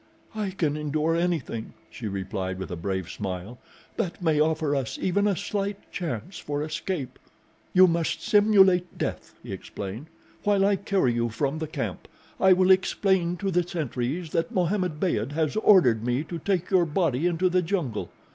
"I can endure anything," she replied with a brave smile, "that may offer us even a slight chance for escape." "You must simulate death," he explained, "while I carry you from the camp. I will explain to the sentries that Mohammed Beyd has ordered me to take your body into the jungle.